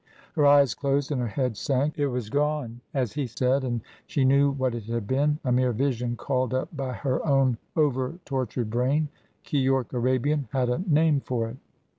Her eyes closed and her head sank. It was gone, as he said, and she knew what it had been a mere vision called up by her own over tortured brain. Keyork Arabian had a name for it.